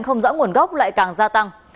không rõ nguồn gốc lại càng gia tăng